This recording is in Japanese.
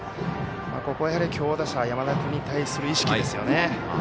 ここは強打者山田君に対する意識ですよね。